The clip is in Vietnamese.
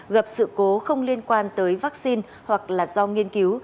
gặp sự cố không liên quan tới vaccine hoặc là do nghiên cứu